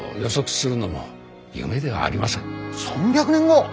３００年後！？